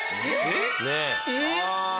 えっ？